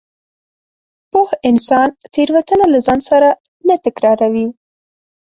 پوه انسان تېروتنه له ځان سره نه تکراروي.